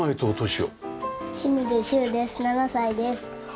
７歳です。